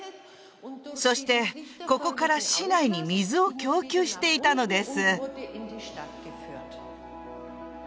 そしてここから市内に水を供給していたのです